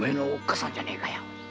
さんじゃねえか。